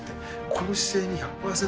この姿勢に１００％